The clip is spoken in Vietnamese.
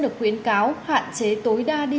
được khuyến cáo hạn chế tối đa đi